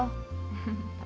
ganti babel loh